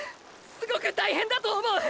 すごく大変だと思う！！